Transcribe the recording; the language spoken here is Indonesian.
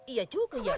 iya susah ya